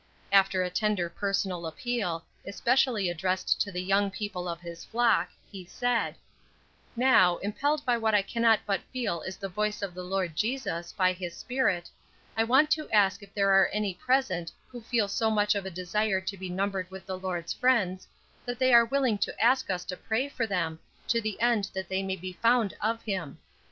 After a tender personal appeal, especially addressed to the young people of his flock, he said: "Now, impelled by what I cannot but feel is the voice of the Lord Jesus, by his Spirit, I want to ask if there are any present who feel so much of a desire to be numbered with the Lord's friends, that they are willing to ask us to pray for them, to the end that they may be found of him.